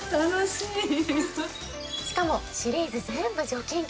しかもシリーズ全部除菌機能付き。